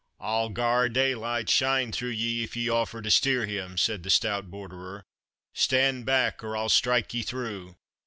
"I'll gar daylight shine through ye, if ye offer to steer him!" said the stout Borderer; "stand back, or I'll strike ye through!